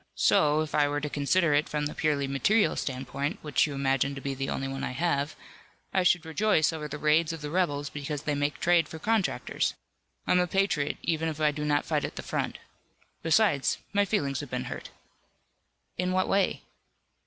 So, if I were to consider it from the purely material standpoint, which you imagine to be the only one I have, I should rejoice over the raids of the rebels because they make trade for contractors. I'm a patriot, even if I do not fight at the front. Besides my feelings have been hurt." "In what way?"